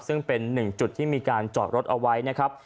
ซึ่งเป็นหนึ่งจุดที่มีการจอดรถเอาไว้นะครับ